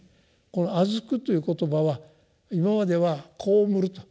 この「あづく」という言葉は今までは「被る」と。